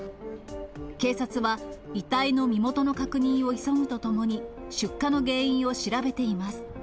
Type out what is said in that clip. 警察は、遺体の身元の確認を急ぐとともに、出火の原因を調べています。